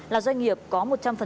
là doanh nghiệp có một trăm linh